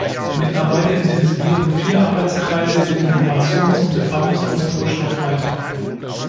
Mittlerweile intensivieren vier Arbeitskreise den Informations- und Erfahrungsaustausch noch weiter.